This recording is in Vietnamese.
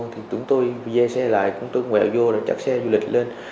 chúng tôi dây xe lại chúng tôi quẹo vô chặt xe du lịch lên